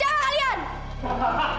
hah jangan kalian